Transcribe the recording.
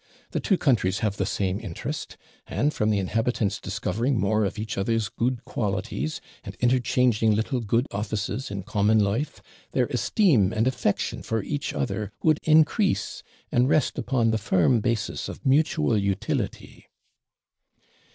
The two countries have the same interest; and, from the inhabitants discovering more of each other's good qualities, and interchanging little good offices in common life, their esteem and affection for each other would increase, and rest upon the firm basis of mutual utility.'